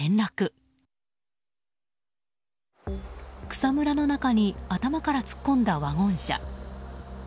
草むらの中に頭から突っ込んだワゴン車。